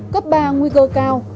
cấp ba nguy cơ cao